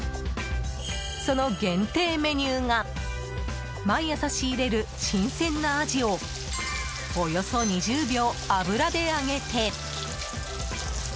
その限定メニューが毎朝仕入れる新鮮なアジをおよそ２０秒、油で揚げて。